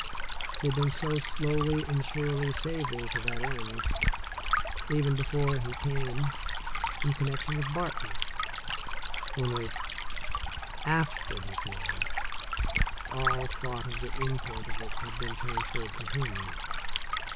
She had been so slowly but surely saving to that end, even before he came, in connection with Barton ; only, 146 THE SECOND CHOICE after he came, all thought of the import of it had been transferred to him.